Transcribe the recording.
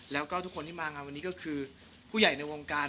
แล้วก็ทุกคนที่มางานวันนี้ก็คือผู้ใหญ่ในวงการ